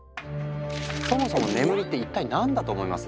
そもそも眠りって一体何だと思います？